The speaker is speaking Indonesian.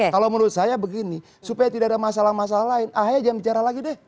kalau menurut saya begini supaya tidak ada masalah masalah lain ahaya jangan bicara lagi deh